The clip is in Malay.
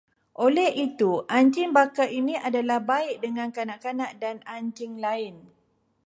Oleh itu, anjing baka ini adalah baik dengan kanak-kanak dan anjing lain